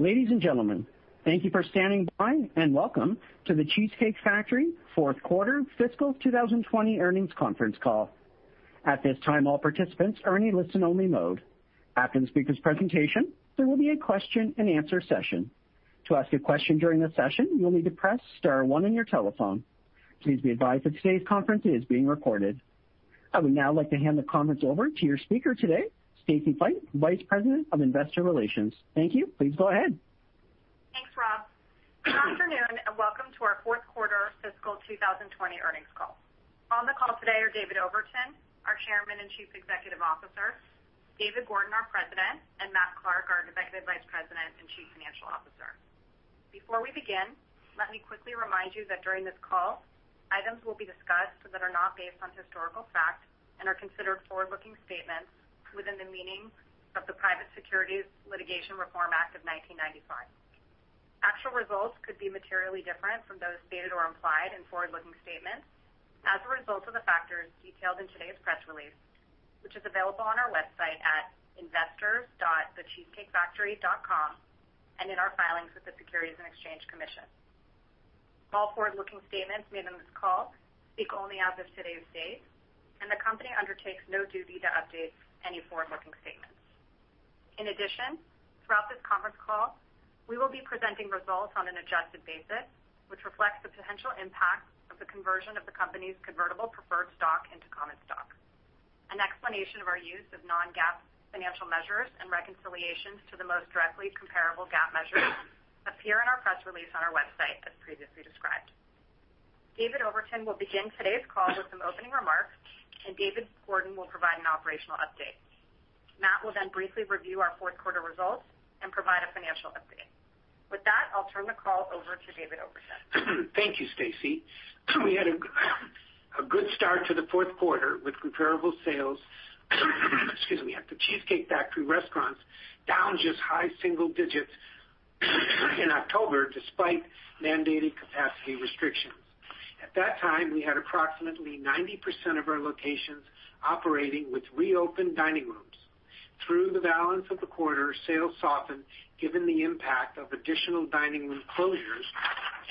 Ladies and gentlemen, thank you for standing by, and welcome to The Cheesecake Factory fourth quarter fiscal 2020 earnings conference call. At this time, all participants are in a listen-only mode. After the speaker's presentation, there will be a question and answer session. To ask a question during the session, you will need to press star one on your telephone. Please be advised that today's conference is being recorded. I would now like to hand the conference over to your speaker today, Stacy Feit, Vice President of Investor Relations. Thank you. Please go ahead. Thanks, Rob. Good afternoon, welcome to our fourth quarter fiscal 2020 earnings call. On the call today are David Overton, our Chairman and Chief Executive Officer, David Gordon, our President, and Matthew Clark, our Executive Vice President and Chief Financial Officer. Before we begin, let me quickly remind you that during this call, items will be discussed that are not based on historical fact and are considered forward-looking statements within the meaning of the Private Securities Litigation Reform Act of 1995. Actual results could be materially different from those stated or implied in forward-looking statements as a result of the factors detailed in today's press release, which is available on our website at investors.thecheesecakefactory.com and in our filings with the Securities and Exchange Commission. All forward-looking statements made on this call speak only as of today's date, and the company undertakes no duty to update any forward-looking statements. In addition, throughout this conference call, we will be presenting results on an adjusted basis, which reflects the potential impact of the conversion of the company's convertible preferred stock into common stock. An explanation of our use of non-GAAP financial measures and reconciliations to the most directly comparable GAAP measures appear in our press release on our website, as previously described. David Overton will begin today's call with some opening remarks, and David Gordon will provide an operational update. Matt will briefly review our fourth quarter results and provide a financial update. With that, I'll turn the call over to David Overton. Thank you, Stacy. We had a good start to the fourth quarter with comparable sales, excuse me, at The Cheesecake Factory restaurants down just high single digits in October, despite mandated capacity restrictions. At that time, we had approximately 90% of our locations operating with reopened dining rooms. Through the balance of the quarter, sales softened given the impact of additional dining room closures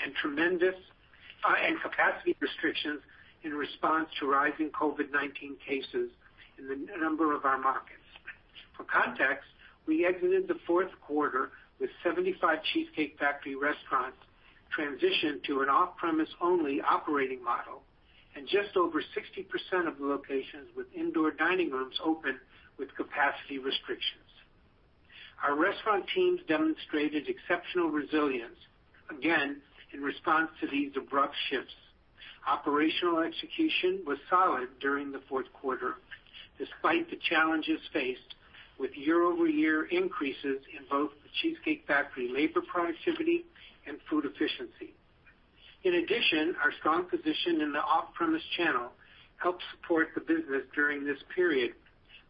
and capacity restrictions in response to rising COVID-19 cases in a number of our markets. For context, we exited the fourth quarter with 75 Cheesecake Factory restaurants transitioned to an off-premise only operating model and just over 60% of the locations with indoor dining rooms open with capacity restrictions. Our restaurant teams demonstrated exceptional resilience, again, in response to these abrupt shifts. Operational execution was solid during the fourth quarter, despite the challenges faced with year-over-year increases in both The Cheesecake Factory labor productivity and food efficiency. In addition, our strong position in the off-premise channel helped support the business during this period,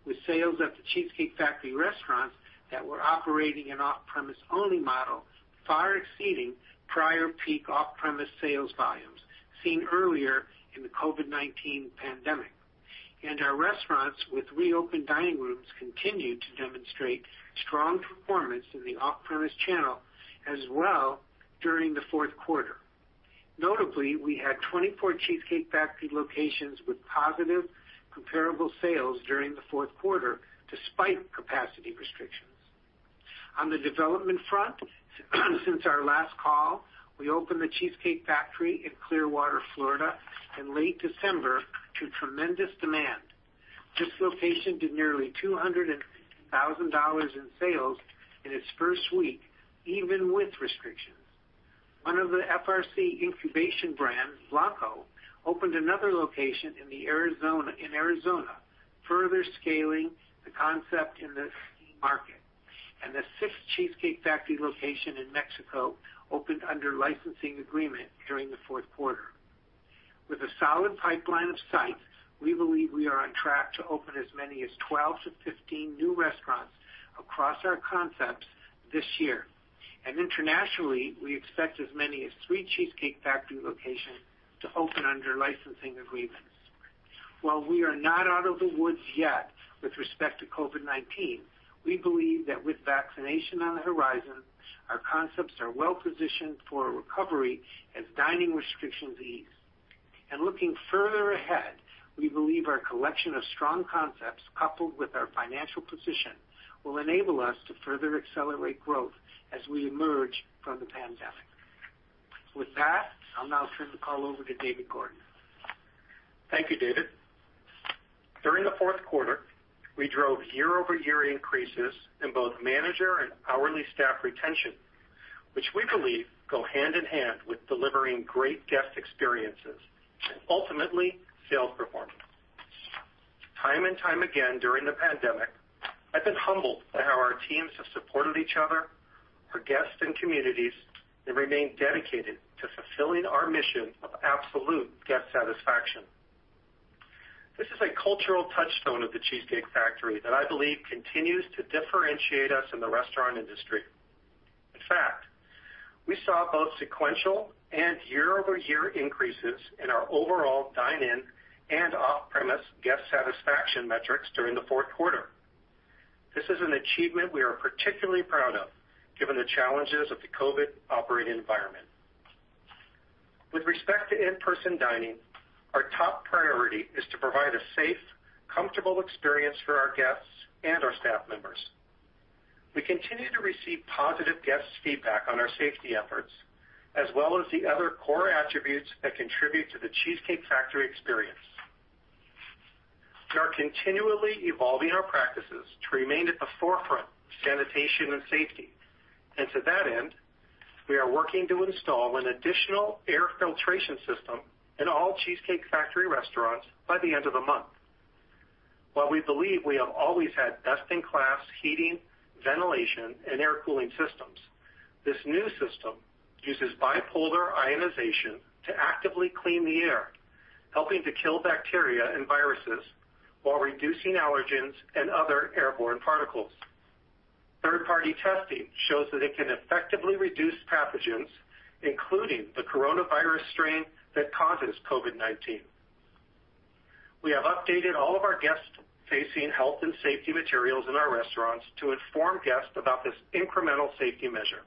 with sales at The Cheesecake Factory restaurants that were operating an off-premise only model far exceeding prior peak off-premise sales volumes seen earlier in the COVID-19 pandemic. Our restaurants with reopened dining rooms continued to demonstrate strong performance in the off-premise channel as well during the fourth quarter. Notably, we had 24 The Cheesecake Factory locations with positive comparable sales during the fourth quarter, despite capacity restrictions. On the development front, since our last call, we opened The Cheesecake Factory in Clearwater, Florida, in late December to tremendous demand. This location did nearly $250,000 in sales in its first week, even with restrictions. One of the FRC incubation brands, Blanco, opened another location in Arizona, further scaling the concept in this key market. The sixth Cheesecake Factory location in Mexico opened under licensing agreement during the fourth quarter. With a solid pipeline of sites, we believe we are on track to open as many as 12 to 15 new restaurants across our concepts this year. Internationally, we expect as many as three Cheesecake Factory locations to open under licensing agreements. While we are not out of the woods yet with respect to COVID-19, we believe that with vaccination on the horizon, our concepts are well-positioned for a recovery as dining restrictions ease. Looking further ahead, we believe our collection of strong concepts, coupled with our financial position, will enable us to further accelerate growth as we emerge from the pandemic. With that, I'll now turn the call over to David Gordon. Thank you, David. During the fourth quarter, we drove year-over-year increases in both manager and hourly staff retention, which we believe go hand in hand with delivering great guest experiences, and ultimately, sales performance. Time and time again during the pandemic, I've been humbled by how our teams have supported each other, our guests, and communities, and remained dedicated to fulfilling our mission of absolute guest satisfaction. This is a cultural touchstone of The Cheesecake Factory that I believe continues to differentiate us in the restaurant industry. In fact, we saw both sequential and year-over-year increases in our overall dine-in and off-premise guest satisfaction metrics during the fourth quarter. This is an achievement we are particularly proud of, given the challenges of the COVID operating environment. With respect to in-person dining, our top priority is to provide a safe, comfortable experience for our guests and our staff members. We continue to receive positive guest feedback on our safety efforts, as well as the other core attributes that contribute to The Cheesecake Factory experience. We are continually evolving our practices to remain at the forefront of sanitation and safety. To that end, we are working to install an additional air filtration system in all Cheesecake Factory restaurants by the end of the month. While we believe we have always had best-in-class heating, ventilation, and air cooling systems, this new system uses bipolar ionization to actively clean the air, helping to kill bacteria and viruses while reducing allergens and other airborne particles. Third-party testing shows that it can effectively reduce pathogens, including the coronavirus strain that causes COVID-19. We have updated all of our guest-facing health and safety materials in our restaurants to inform guests about this incremental safety measure.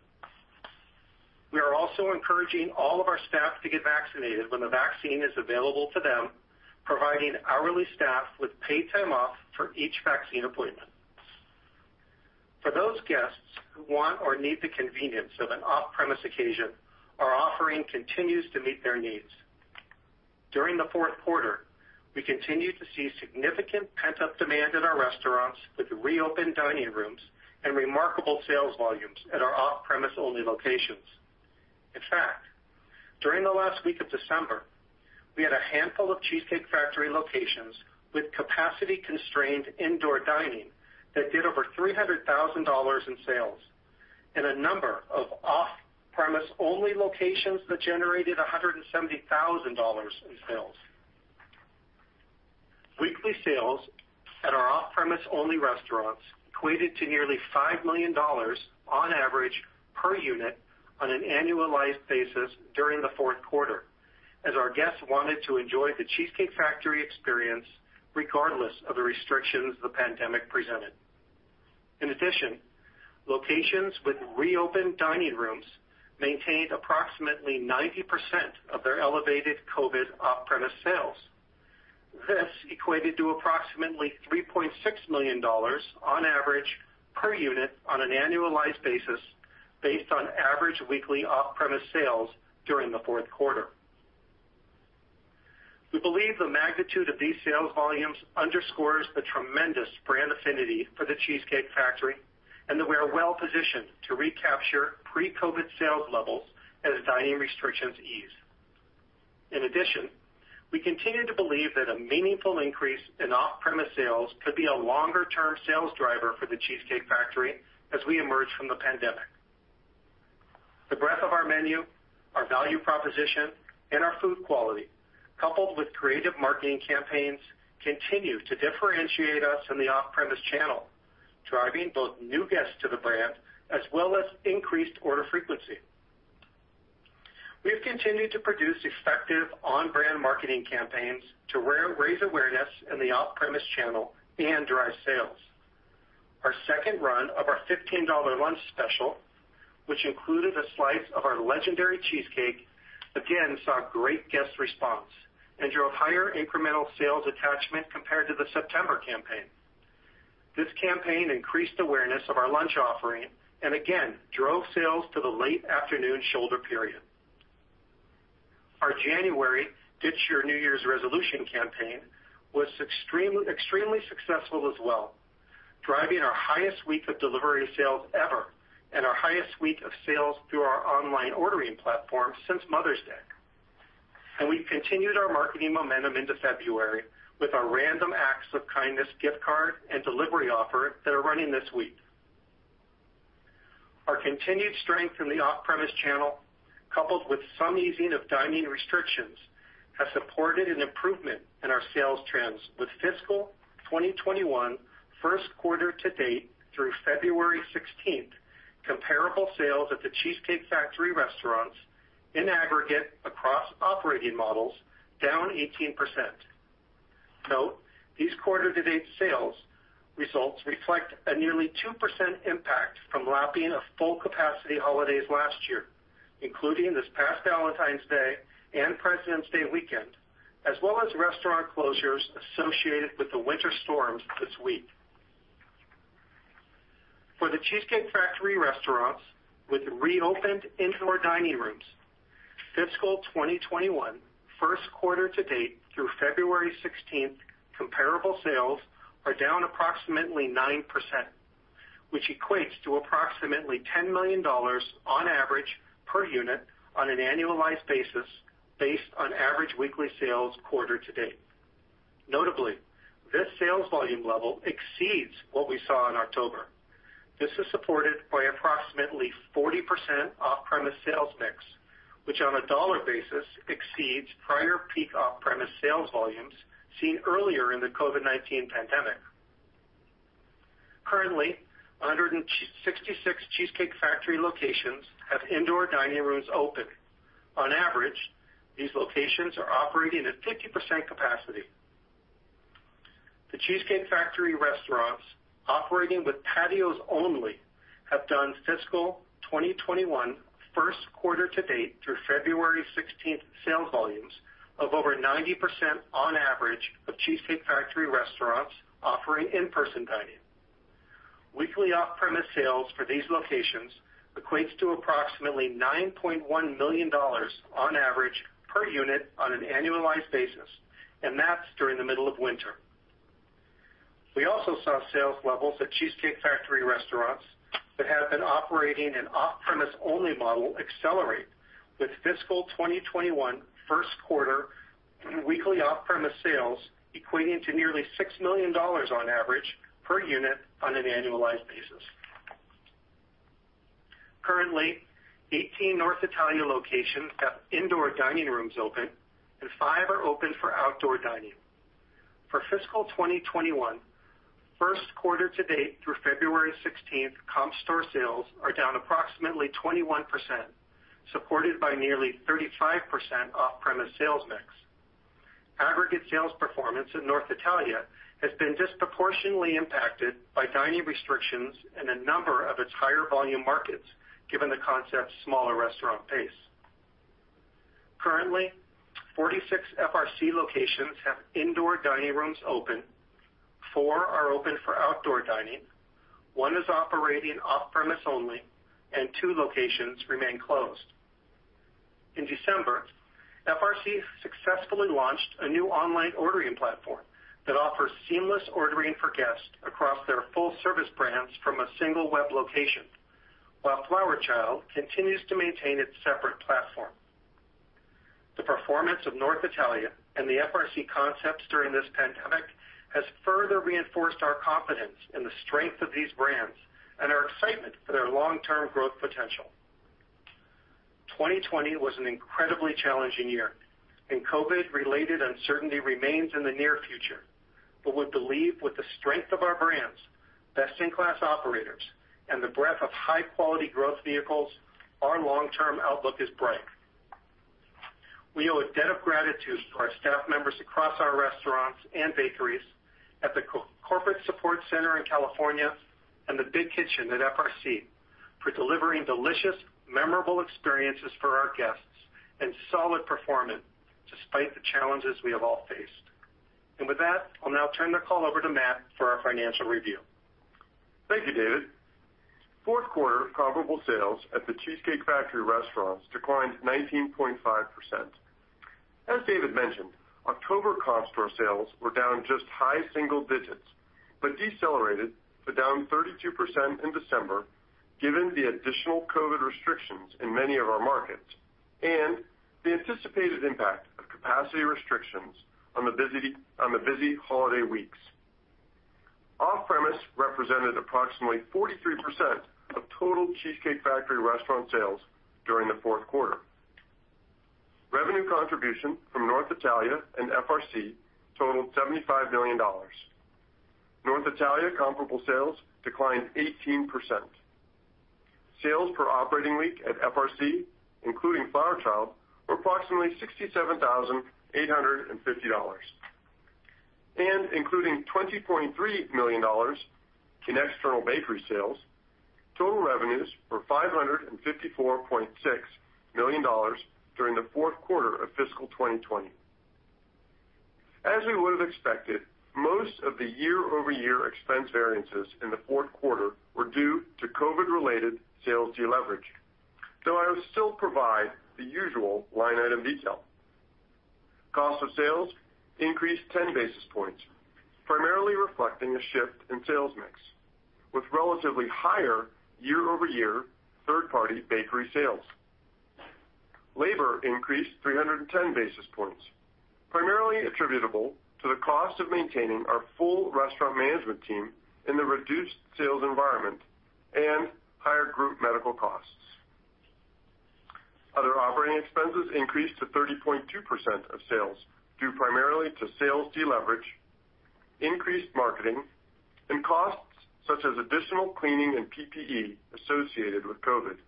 We are also encouraging all of our staff to get vaccinated when the vaccine is available to them, providing hourly staff with paid time off for each vaccine appointment. For those guests who want or need the convenience of an off-premise occasion, our offering continues to meet their needs. During the fourth quarter, we continued to see significant pent-up demand in our restaurants with reopened dining rooms and remarkable sales volumes at our off-premise-only locations. In fact, during the last week of December, we had a handful of The Cheesecake Factory locations with capacity-constrained indoor dining that did over $300,000 in sales, and a number of off-premise-only locations that generated $170,000 in sales. Weekly sales at our off-premise-only restaurants equated to nearly $5 million on average per unit on an annualized basis during the fourth quarter, as our guests wanted to enjoy The Cheesecake Factory experience regardless of the restrictions the pandemic presented. In addition, locations with reopened dining rooms maintained approximately 90% of their elevated COVID off-premise sales. This equated to approximately $3.6 million on average per unit on an annualized basis, based on average weekly off-premise sales during the fourth quarter. We believe the magnitude of these sales volumes underscores the tremendous brand affinity for The Cheesecake Factory, and that we are well positioned to recapture pre-COVID sales levels as dining restrictions ease. In addition, we continue to believe that a meaningful increase in off-premise sales could be a longer-term sales driver for The Cheesecake Factory as we emerge from the pandemic. The breadth of our menu, our value proposition, and our food quality, coupled with creative marketing campaigns, continue to differentiate us in the off-premise channel, driving both new guests to the brand as well as increased order frequency. We have continued to produce effective on-brand marketing campaigns to raise awareness in the off-premise channel and drive sales. Our second run of our $15 lunch special, which included a slice of our legendary cheesecake, again saw great guest response and drove higher incremental sales attachment compared to the September campaign. This campaign increased awareness of our lunch offering, and again, drove sales to the late afternoon shoulder period. Our January Ditch Your New Year's Resolution campaign was extremely successful as well, driving our highest week of delivery sales ever and our highest week of sales through our online ordering platform since Mother's Day. We've continued our marketing momentum into February with our Random Acts of Kindness gift card and delivery offer that are running this week. Our continued strength in the off-premise channel, coupled with some easing of dining restrictions, has supported an improvement in our sales trends, with fiscal 2021 first quarter to date through February 16th, comparable sales at The Cheesecake Factory restaurants in aggregate across operating models down 18%. Note, these quarter to date sales results reflect a nearly 2% impact from lapping of full capacity holidays last year, including this past Valentine's Day and President's Day weekend, as well as restaurant closures associated with the winter storms this week. For The Cheesecake Factory restaurants with reopened indoor dining rooms, fiscal 2021 first quarter to date through February 16th, comparable sales are down approximately 9%, which equates to approximately $10 million on average per unit on an annualized basis, based on average weekly sales quarter to date. Notably, this sales volume level exceeds what we saw in October. This is supported by approximately 40% off-premise sales mix, which on a dollar basis exceeds prior peak off-premise sales volumes seen earlier in the COVID-19 pandemic. Currently, 166 The Cheesecake Factory locations have indoor dining rooms open. On average, these locations are operating at 50% capacity. The Cheesecake Factory restaurants operating with patios only have done fiscal 2021 first quarter to date through February 16th sales volumes of over 90% on average of The Cheesecake Factory restaurants offering in-person dining. Weekly off-premise sales for these locations equates to approximately $9.1 million on average per unit on an annualized basis, and that's during the middle of winter. We also saw sales levels at The Cheesecake Factory restaurants that have been operating an off-premise only model accelerate with fiscal 2021 first quarter weekly off-premise sales equating to nearly $6 million on average per unit on an annualized basis. Currently, 18 North Italia locations have indoor dining rooms open and five are open for outdoor dining. For fiscal 2021, first quarter to date through February 16th, comp store sales are down approximately 21%, supported by nearly 35% off-premise sales mix. Aggregate sales performance at North Italia has been disproportionately impacted by dining restrictions in a number of its higher volume markets, given the concept's smaller restaurant pace. Currently, 46 FRC locations have indoor dining rooms open, four are open for outdoor dining, one is operating off-premise only, and two locations remain closed. In December, FRC successfully launched a new online ordering platform that offers seamless ordering for guests across their full service brands from a single web location, while Flower Child continues to maintain its separate platform. The performance of North Italia and the FRC concepts during this pandemic has further reinforced our confidence in the strength of these brands and our excitement for their long-term growth potential. 2020 was an incredibly challenging year, and COVID-related uncertainty remains in the near future. We believe with the strength of our brands, best in class operators, and the breadth of high quality growth vehicles, our long-term outlook is bright. We owe a debt of gratitude to our staff members across our restaurants and bakeries, at the corporate support center in California, and The Big Kitchen at FRC, for delivering delicious, memorable experiences for our guests and solid performance despite the challenges we have all faced. With that, I'll now turn the call over to Matt for our financial review. Thank you, David. Fourth quarter comparable sales at The Cheesecake Factory restaurants declined 19.5%. As David mentioned, October comp store sales were down just high single digits, but decelerated to down 32% in December, given the additional COVID restrictions in many of our markets, and the anticipated impact of capacity restrictions on the busy holiday weeks. Off-premise represented approximately 43% of total Cheesecake Factory restaurant sales during the fourth quarter. Revenue contribution from North Italia and FRC totaled $75 million. North Italia comparable sales declined 18%. Sales per operating week at FRC, including Flower Child, were approximately $67,850. Including $20.3 million in external bakery sales, total revenues were $554.6 million during the fourth quarter of fiscal 2020. I will still provide the usual line item detail. Cost of sales increased 10 basis points, primarily reflecting a shift in sales mix with relatively higher year-over-year third party bakery sales. Labor increased 310 basis points, primarily attributable to the cost of maintaining our full restaurant management team in the reduced sales environment and higher group medical costs. Other operating expenses increased to 30.2% of sales, due primarily to sales deleverage, increased marketing, and costs such as additional cleaning and PPE associated with COVID.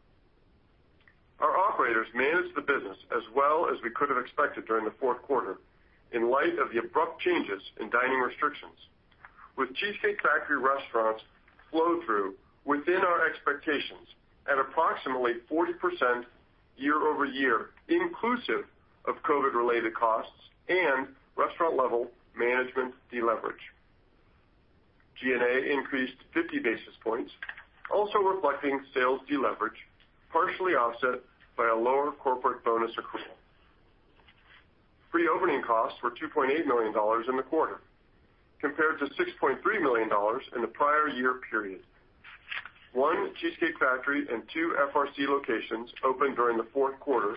Our operators managed the business as well as we could have expected during the fourth quarter, in light of the abrupt changes in dining restrictions, with The Cheesecake Factory restaurants flow through within our expectations at approximately 40% year-over-year, inclusive of COVID related costs and restaurant level management deleverage. G&A increased 50 basis points, also reflecting sales deleverage, partially offset by a lower corporate bonus accrual. Pre-opening costs were $2.8 million in the quarter compared to $6.3 million in the prior year period. One The Cheesecake Factory and two FRC locations opened during the fourth quarter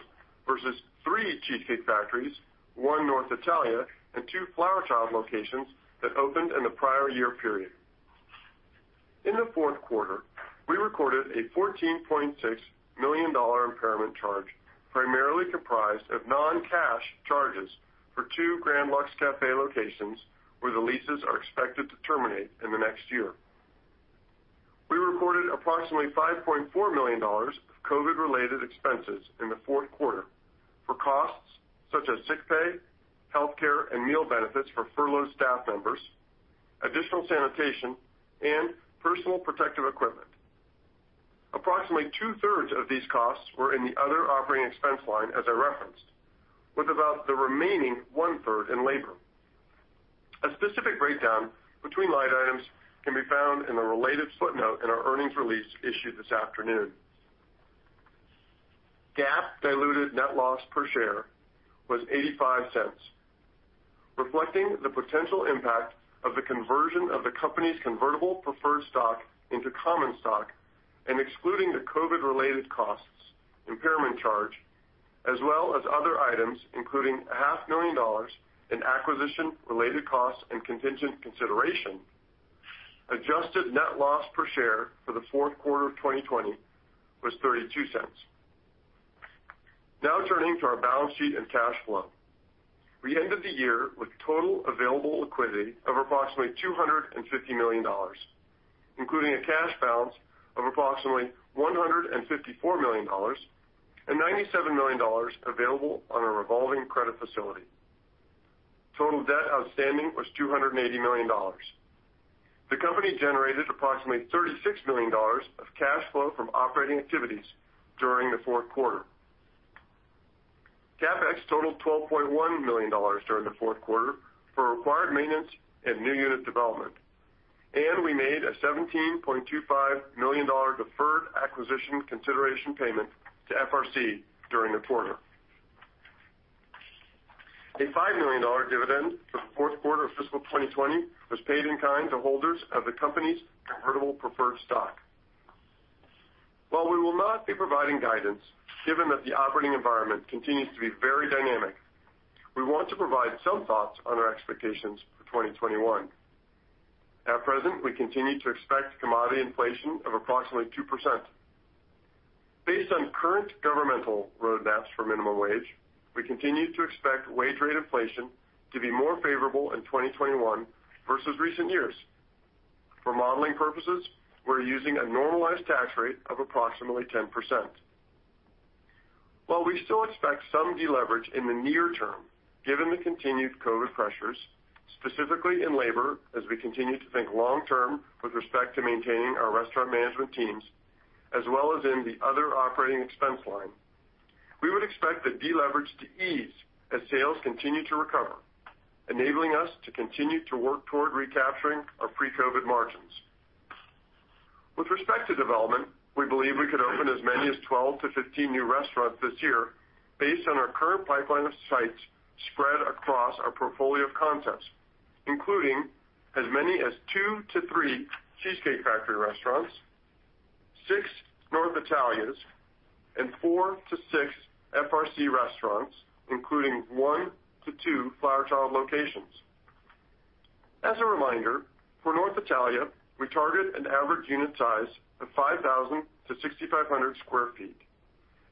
versus three The Cheesecake Factory, one North Italia, and two Flower Child locations that opened in the prior year period. In the fourth quarter, we recorded a $14.6 million impairment charge, primarily comprised of non-cash charges for two Grand Lux Cafe locations where the leases are expected to terminate in the next year. We recorded approximately $5.4 million of COVID related expenses in the fourth quarter for costs such as sick pay, healthcare, and meal benefits for furloughed staff members, additional sanitation and personal protective equipment. Approximately 2/3 of these costs were in the other operating expense line as I referenced, with about the remaining 1/3 in labor. A specific breakdown between line items can be found in the related footnote in our earnings release issued this afternoon. GAAP diluted net loss per share was $0.85, reflecting the potential impact of the conversion of the company's convertible preferred stock into common stock, and excluding the COVID-19 related costs, impairment charge, as well as other items, including a half million dollars in acquisition related costs and contingent consideration. Adjusted net loss per share for the fourth quarter of 2020 was $0.32. Now turning to our balance sheet and cash flow. We ended the year with total available liquidity of approximately $250 million, including a cash balance of approximately $154 million and $97 million available on a revolving credit facility. Total debt outstanding was $280 million. The company generated approximately $36 million of cash flow from operating activities during the fourth quarter. CapEx totaled $12.1 million during the fourth quarter for required maintenance and new unit development. We made a $17.25 million deferred acquisition consideration payment to FRC during the quarter. A $5 million dividend for the fourth quarter of fiscal 2020 was paid in kind to holders of the company's convertible preferred stock. While we will not be providing guidance, given that the operating environment continues to be very dynamic, we want to provide some thoughts on our expectations for 2021. At present, we continue to expect commodity inflation of approximately 2%. Based on current governmental roadmaps for minimum wage, we continue to expect wage rate inflation to be more favorable in 2021 versus recent years. For modeling purposes, we're using a normalized tax rate of approximately 10%. While we still expect some deleverage in the near term, given the continued COVID pressures, specifically in labor, as we continue to think long term with respect to maintaining our restaurant management teams, as well as in the other operating expense line, we would expect the deleverage to ease as sales continue to recover, enabling us to continue to work toward recapturing our pre-COVID margins. With respect to development, we believe we could open as many as 12 to 15 new restaurants this year based on our current pipeline of sites spread across our portfolio of concepts, including as many as two to three Cheesecake Factory restaurants, six North Italia, and four to six FRC restaurants, including one to two Flower Child locations. As a reminder, for North Italia, we target an average unit size of 5,000 sq ft-6,500 sq ft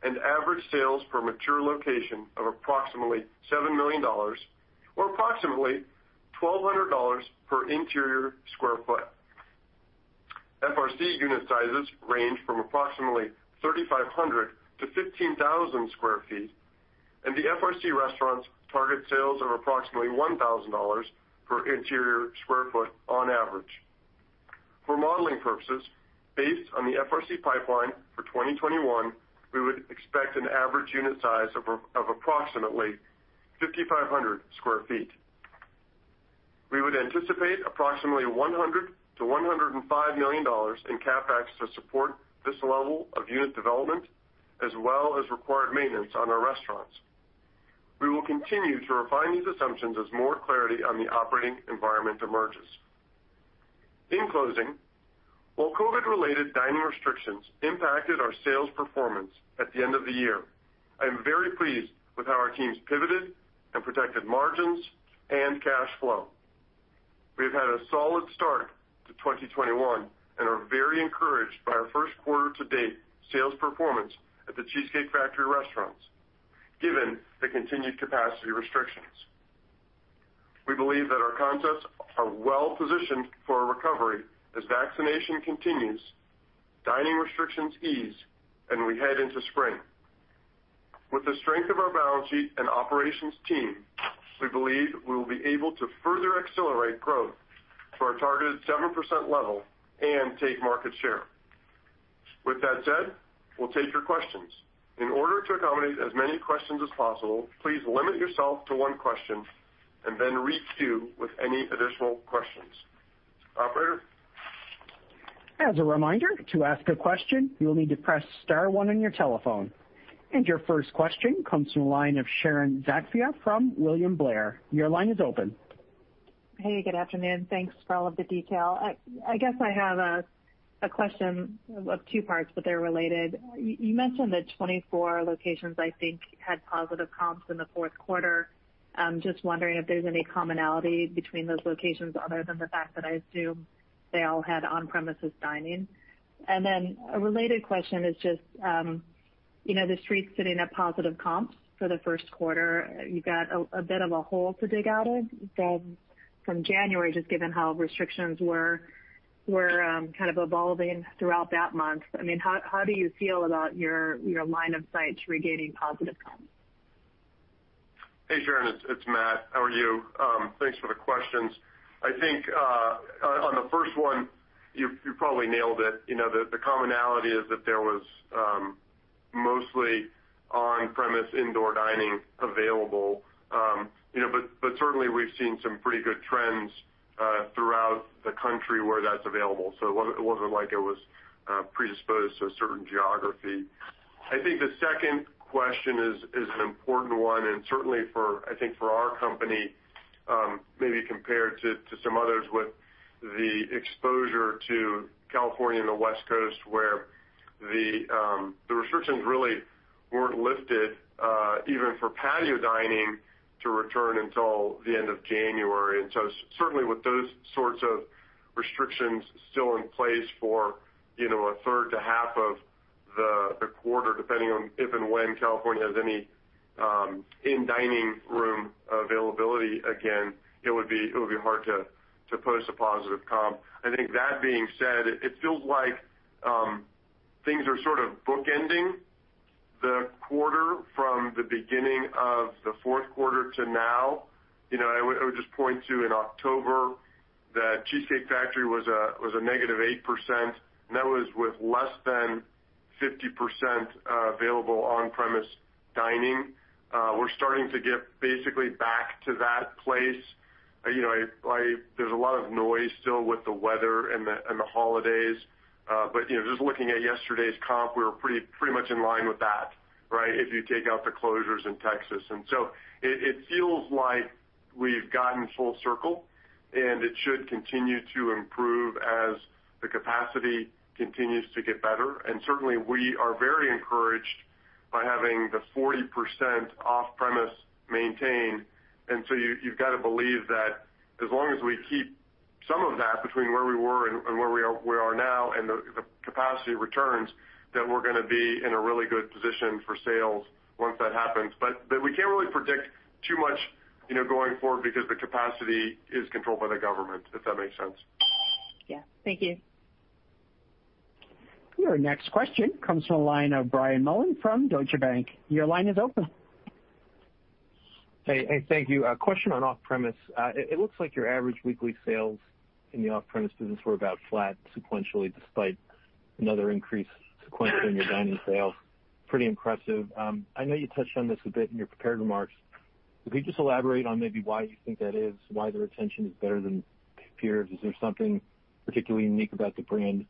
and average sales per mature location of approximately $7 million or approximately $1,200 per interior square foot. FRC unit sizes range from approximately 3,500 sq ft-15,000 sq ft, and the FRC restaurants target sales of approximately $1,000 per interior square foot on average. For modeling purposes, based on the FRC pipeline for 2021, we would expect an average unit size of approximately 5,500 sq ft. We would anticipate approximately $100 million-$105 million in CapEx to support this level of unit development, as well as required maintenance on our restaurants. We will continue to refine these assumptions as more clarity on the operating environment emerges. In closing, while COVID related dining restrictions impacted our sales performance at the end of the year, I am very pleased with how our teams pivoted and protected margins and cash flow. We have had a solid start to 2021 and are very encouraged by our first quarter to date sales performance at The Cheesecake Factory restaurants, given the continued capacity restrictions. We believe that our concepts are well positioned for a recovery as vaccination continues, dining restrictions ease, and we head into spring. With the strength of our balance sheet and operations team, we believe we will be able to further accelerate growth to our targeted 7% level and take market share. With that said, we'll take your questions. In order to accommodate as many questions as possible, please limit yourself to one question and then queue with any additional questions. Operator? As a reminder, to ask a question, you'll need to press star one on your telephone. Your first question comes from the line of Sharon Zackfia from William Blair. Your line is open. Hey, good afternoon. Thanks for all of the detail. I guess I have a question of two parts, but they're related. You mentioned that 24 locations, I think, had positive comps in the fourth quarter. I'm just wondering if there's any commonality between those locations other than the fact that I assume they all had on-premises dining. The street's sitting at positive comps for the first quarter. You've got a bit of a hole to dig out of from January, just given how restrictions were kind of evolving throughout that month. I mean, how do you feel about your line of sight to regaining positive comps? Hey, Sharon. It's Matt. How are you? Thanks for the questions. I think, on the first one, you probably nailed it. The commonality is that there was mostly on-premise indoor dining available. Certainly we've seen some pretty good trends throughout the country where that's available. It wasn't like it was predisposed to a certain geography. I think the second question is an important one, and certainly I think for our company, maybe compared to some others with the exposure to California and the West Coast, where the restrictions really weren't lifted, even for patio dining to return until the end of January. Certainly with those sorts of restrictions still in place for a third to half of the quarter, depending on if and when California has any in-dining room availability again, it would be hard to post a positive comp. I think that being said, it feels like things are sort of bookending the quarter from the beginning of the fourth quarter to now. I would just point to in October that The Cheesecake Factory was a -8%, and that was with less than 50% available on-premise dining. We're starting to get basically back to that place. There's a lot of noise still with the weather and the holidays. Just looking at yesterday's comp, we were pretty much in line with that, right, if you take out the closures in Texas. It feels like we've gotten full circle, and it should continue to improve as the capacity continues to get better. Certainly, we are very encouraged by having the 40% off-premise maintained. You've got to believe that as long as we keep some of that between where we were and where we are now, and the capacity returns, that we're going to be in a really good position for sales once that happens. We can't really predict too much going forward because the capacity is controlled by the government, if that makes sense. Yeah. Thank you. Your next question comes from the line of Brian Mullan from Deutsche Bank. Your line is open. Hey. Thank you. A question on off-premise. It looks like your average weekly sales in the off-premise business were about flat sequentially, despite another increase sequentially in your dining sales. Pretty impressive. I know you touched on this a bit in your prepared remarks. Could you just elaborate on maybe why you think that is, why the retention is better than peers? Is there something particularly unique about the brand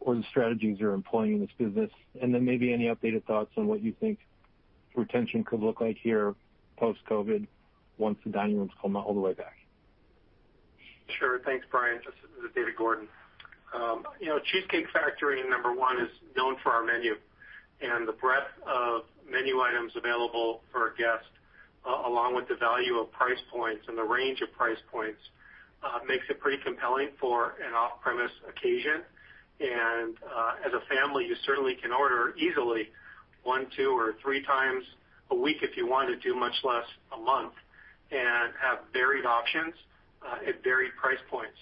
or the strategies you're employing in this business? Then maybe any updated thoughts on what you think retention could look like here post-COVID once the dining rooms come all the way back. Sure. Thanks, Brian. This is David Gordon. Cheesecake Factory, number one, is known for our menu. The breadth of menu items available for a guest, along with the value of price points and the range of price points, makes it pretty compelling for an off-premise occasion. As a family, you certainly can order easily one, two, or three times a week if you wanted to, much less a month, and have varied options at varied price points.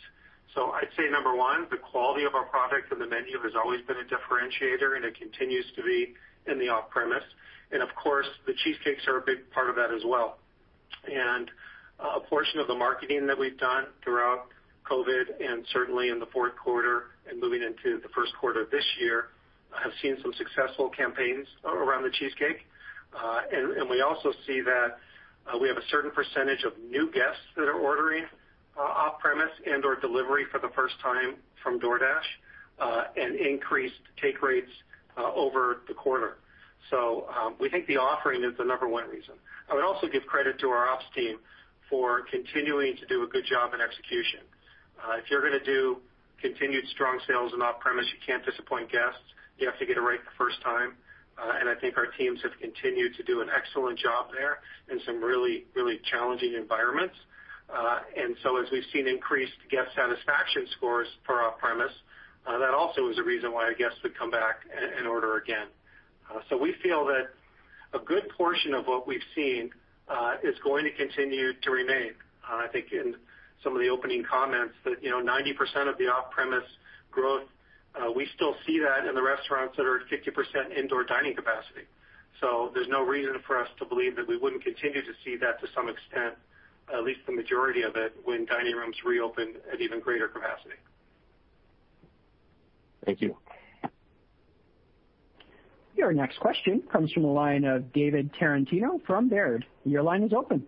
I'd say number one, the quality of our product and the menu has always been a differentiator, and it continues to be in the off-premise. Of course, the cheesecakes are a big part of that as well. A portion of the marketing that we've done throughout COVID, and certainly in the fourth quarter and moving into the first quarter of this year, have seen some successful campaigns around the cheesecake. We also see that we have a certain percentage of new guests that are ordering off-premise and/or delivery for the first time from DoorDash, and increased take rates over the quarter. We think the offering is the number one reason. I would also give credit to our ops team for continuing to do a good job in execution. If you're going to do continued strong sales in off-premise, you can't disappoint guests. You have to get it right the first time. I think our teams have continued to do an excellent job there in some really challenging environments. As we've seen increased guest satisfaction scores for off-premise, that also is a reason why a guest would come back and order again. We feel that a good portion of what we've seen is going to continue to remain. I think in some of the opening comments that 90% of the off-premise growth, we still see that in the restaurants that are at 50% indoor dining capacity. There's no reason for us to believe that we wouldn't continue to see that to some extent, at least the majority of it, when dining rooms reopen at even greater capacity. Thank you. Your next question comes from the line of David Tarantino from Baird. Your line is open.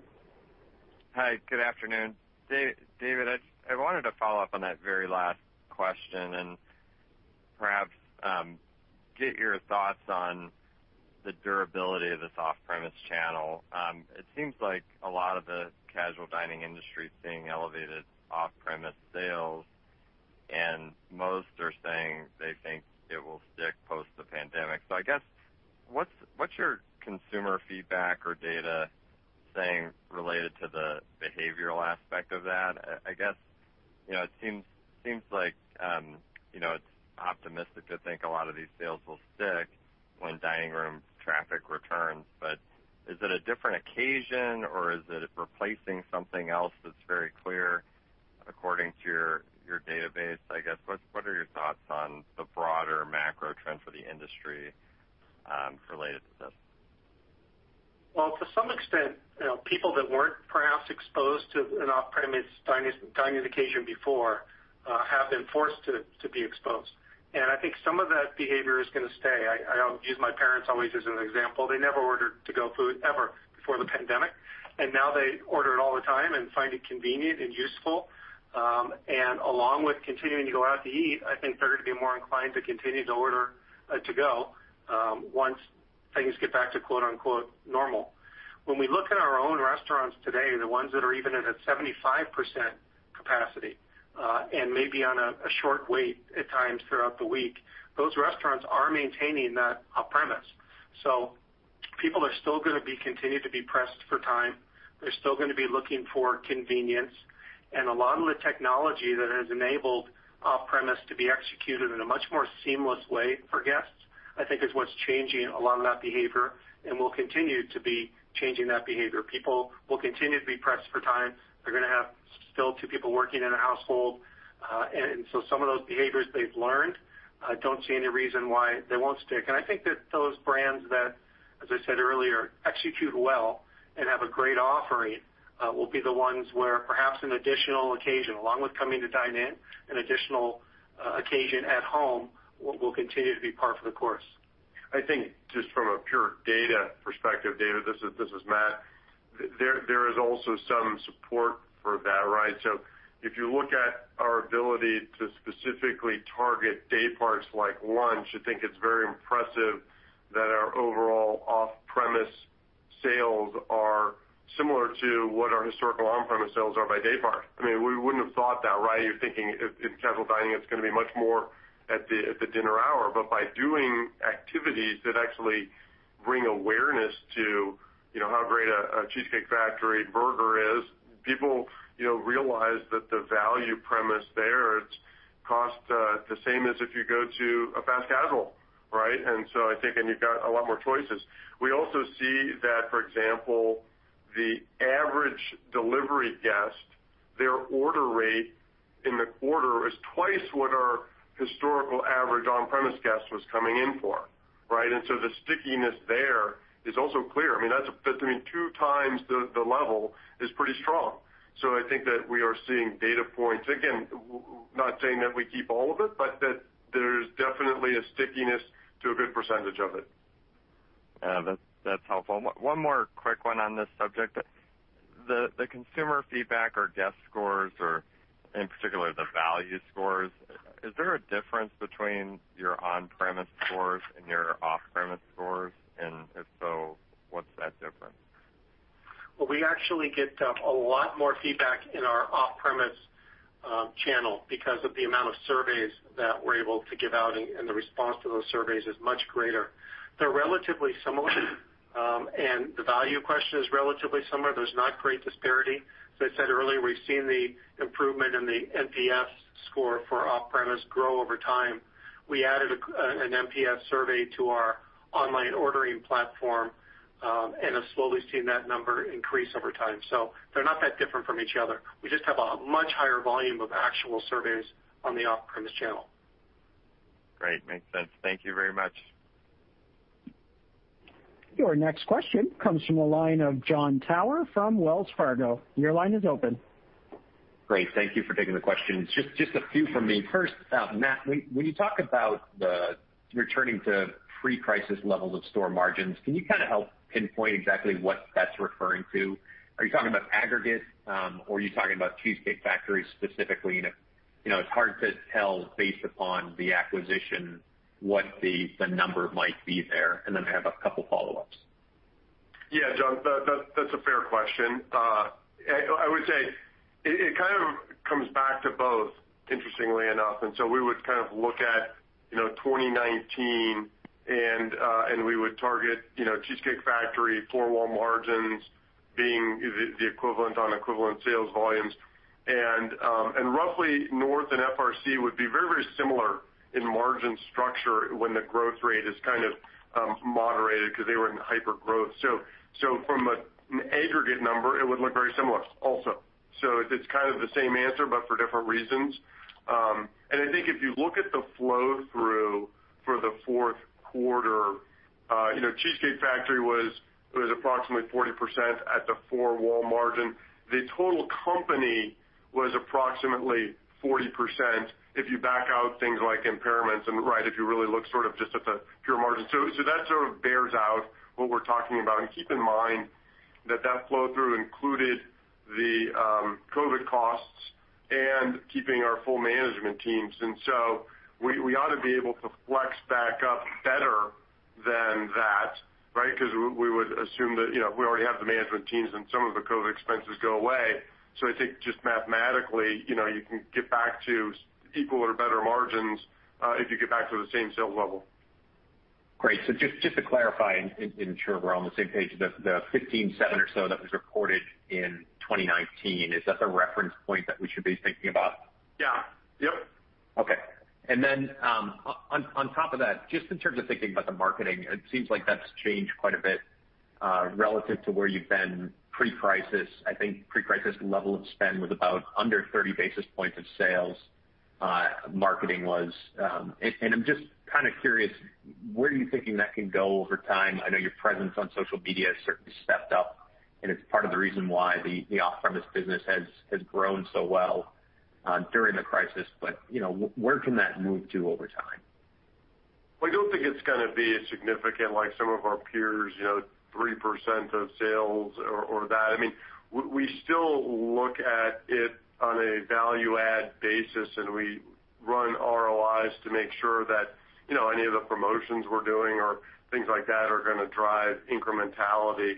Hi, good afternoon. David, I wanted to follow up on that very last question and perhaps get your thoughts on the durability of this off-premise channel. It seems like a lot of the casual dining industry is seeing elevated off-premise sales. Most are saying they think it will stick post the pandemic. I guess, what's your consumer feedback or data saying related to the behavioral aspect of that? I guess it seems like it's optimistic to think a lot of these sales will stick when dining room traffic returns. Is it a different occasion, or is it replacing something else that's very clear according to your database, I guess? What are your thoughts on the broader macro trend for the industry related to this? Well, to some extent, people that weren't perhaps exposed to an off-premise dining occasion before have been forced to be exposed. I think some of that behavior is going to stay. I use my parents always as an example. They never ordered to-go food, ever, before the pandemic, and now they order it all the time and find it convenient and useful. Along with continuing to go out to eat, I think they're going to be more inclined to continue to order to go once things get back to "normal." When we look at our own restaurants today, the ones that are even at a 75% capacity and may be on a short wait at times throughout the week, those restaurants are maintaining that off-premise. People are still going to continue to be pressed for time. They're still going to be looking for convenience. A lot of the technology that has enabled off-premise to be executed in a much more seamless way for guests, I think, is what's changing a lot of that behavior and will continue to be changing that behavior. People will continue to be pressed for time. They're going to have still two people working in a household. Some of those behaviors they've learned, I don't see any reason why they won't stick. I think that those brands that, as I said earlier, execute well and have a great offering will be the ones where perhaps an additional occasion, along with coming to dine in, an additional occasion at home will continue to be par for the course. I think just from a pure data perspective, David, this is Matt. There is also some support for that, right? If you look at our ability to specifically target day parts like lunch, I think it's very impressive that our overall off-premise sales are similar to what our historical on-premise sales are by day part. We wouldn't have thought that, right? You're thinking in casual dining, it's going to be much more at the dinner hour. By doing activities that actually bring awareness to how great a Cheesecake Factory burger is, people realize that the value premise there costs the same as if you go to a fast casual, right? I think, and you've got a lot more choices. We also see that, for example, the average delivery guest, their order rate in the quarter is twice what our historical average on-premise guest was coming in for, right? The stickiness there is also clear. Two times the level is pretty strong. I think that we are seeing data points. Again, not saying that we keep all of it, but that there's definitely a stickiness to a good percentage of it. Yeah. That's helpful. One more quick one on this subject. The consumer feedback or guest scores or in particular the value scores, is there a difference between your on-premise scores and your off-premise scores? If so, what's that difference? Well, we actually get a lot more feedback in our off-premise channel because of the amount of surveys that we're able to give out, and the response to those surveys is much greater. They're relatively similar, and the value question is relatively similar. There's not great disparity. As I said earlier, we've seen the improvement in the NPS score for off-premise grow over time. We added an NPS survey to our online ordering platform and have slowly seen that number increase over time. They're not that different from each other. We just have a much higher volume of actual surveys on the off-premise channel. Great. Makes sense. Thank you very much. Your next question comes from the line of Jon Tower from Wells Fargo. Your line is open. Great. Thank you for taking the questions. Just a few from me. First, Matt, when you talk about the returning to pre-crisis levels of store margins, can you kind of help pinpoint exactly what that's referring to? Are you talking about aggregate, or are you talking about Cheesecake Factory specifically? It's hard to tell based upon the acquisition what the number might be there. I have a couple follow-ups. Yeah, Jon, that's a fair question. I would say it kind of comes back to both, interestingly enough. We would kind of look at 2019, and we would target The Cheesecake Factory four-wall margins being the equivalent on equivalent sales volumes. Roughly, North Italia and FRC would be very similar in margin structure when the growth rate is kind of moderated because they were in hypergrowth. From an aggregate number, it would look very similar also. It's kind of the same answer but for different reasons. I think if you look at the flow-through for the fourth quarter, The Cheesecake Factory was approximately 40% at the four-wall margin. The total company was approximately 40% if you back out things like impairments and if you really look sort of just at the pure margin. That sort of bears out what we're talking about. Keep in mind that that flow-through included the COVID costs and keeping our full management teams. We ought to be able to flex back up better than that because we would assume that we already have the management teams and some of the COVID expenses go away. I think just mathematically, you can get back to equal or better margins if you get back to the same sales level. Great. Just to clarify, and ensure we're on the same page, the 15.7 or so that was reported in 2019, is that the reference point that we should be thinking about? Yeah. Yep. Okay. On top of that, just in terms of thinking about the marketing, it seems like that's changed quite a bit, relative to where you've been pre-crisis. I think pre-crisis level of spend was about under 30 basis points of sales, marketing was. I'm just kind of curious, where are you thinking that can go over time? I know your presence on social media has certainly stepped up, and it's part of the reason why the off-premise business has grown so well during the crisis. Where can that move to over time? Well, I don't think it's going to be as significant like some of our peers, 3% of sales or that. We still look at it on a value add basis, and we run ROIs to make sure that any of the promotions we're doing or things like that are going to drive incrementality.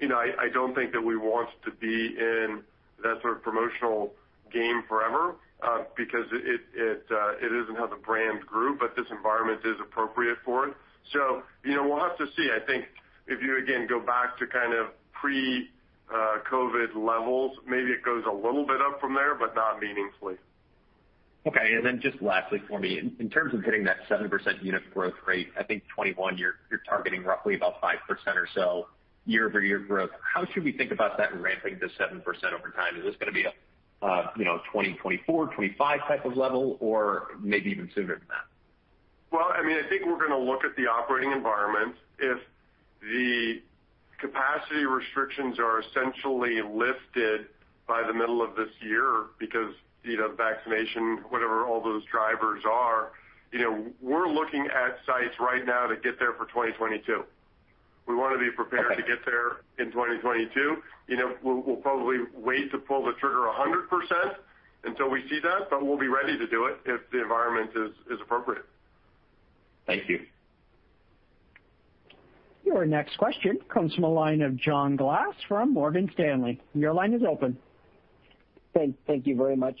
I don't think that we want to be in that sort of promotional game forever, because it isn't how the brand grew, but this environment is appropriate for it. We'll have to see. I think if you, again, go back to kind of pre-COVID levels, maybe it goes a little bit up from there, but not meaningfully. Okay, just lastly for me, in terms of hitting that 7% unit growth rate, I think 2021, you're targeting roughly about 5% or so year-over-year growth. How should we think about that ramping to 7% over time? Is this going to be a 2024-2025 type of level or maybe even sooner than that? Well, I think we're going to look at the operating environment. If the capacity restrictions are essentially lifted by the middle of this year because of vaccination, whatever all those drivers are, we're looking at sites right now to get there for 2022. We want to be prepared- Okay. ...to get there in 2022. We'll probably wait to pull the trigger 100% until we see that, but we'll be ready to do it if the environment is appropriate. Thank you. Your next question comes from the line of John Glass from Morgan Stanley. Your line is open. Thank you very much.